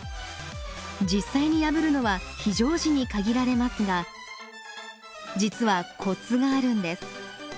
実際に破るのは非常時に限られますが実はコツがあるんです。